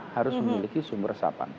harus memiliki sumur resapan